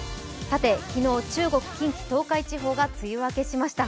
昨日、中国・近畿・東海地方が梅雨明けしました。